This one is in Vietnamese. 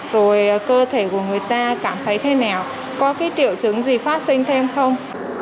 rồi cơ thể của người ta cảm thấy thế nào có cái triệu chứng gì phát sinh thêm không